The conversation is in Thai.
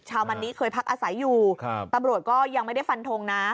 มันนี้เคยพักอาศัยอยู่ตำรวจก็ยังไม่ได้ฟันทงนะ